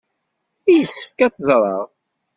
Yessefk ad teẓreɣ.